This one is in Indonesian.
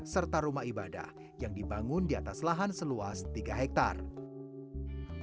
serta rumah ibadah yang dibangun di atas lahan seluas tiga hektare